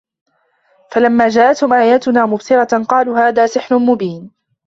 فَلَمّا جاءَتهُم آياتُنا مُبصِرَةً قالوا هذا سِحرٌ مُبينٌ